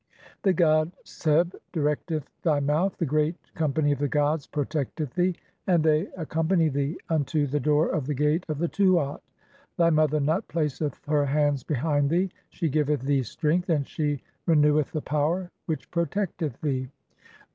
The god Seb directeth(?) thy mouth, the great com "pany of the gods protecteth thee, .... (6) ...., and thev ac company thee unto the door of the gate of the Tuat. Thy "mother Nut placeth her hands behind thee, she giveth thee "strength, and she reneweth the power which protecteth thee.